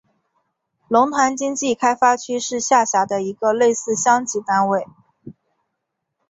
龙潭经济开发区是下辖的一个类似乡级单位。